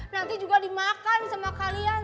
nanti juga dimakan sama kalian